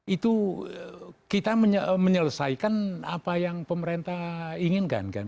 itu kita menyelesaikan apa yang pemerintah inginkan kan